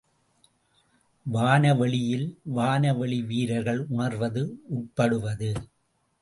வான வெளியில் வான வெளி வீரர்கள் உணர்வது, உட்படுவது.